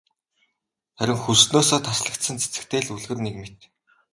Харин хөрснөөсөө таслагдсан цэцэгтэй л үлгэр нэг мэт.